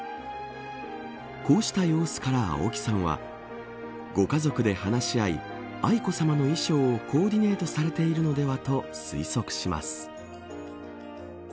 こうした様子から、青木さんはご家族で話し合い愛子さまの衣装をコーディネートされているのではと推測します。